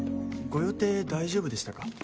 ご予定、大丈夫でしたか？